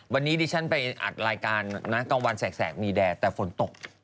วันนี้ดิฉันไปอัดรายการนะกลางวันแสกมีแดดแต่ฝนตก